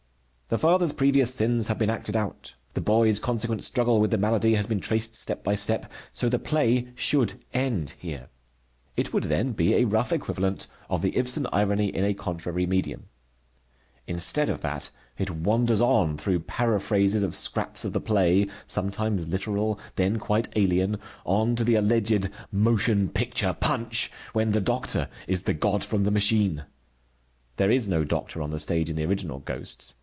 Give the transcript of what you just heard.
The father's previous sins have been acted out. The boy's consequent struggle with the malady has been traced step by step, so the play should end here. It would then be a rough equivalent of the Ibsen irony in a contrary medium. Instead of that, it wanders on through paraphrases of scraps of the play, sometimes literal, then quite alien, on to the alleged motion picture punch, when the Doctor is the god from the machine. There is no doctor on the stage in the original Ghosts.